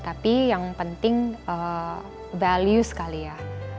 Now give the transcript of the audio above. tapi yang penting values kali ya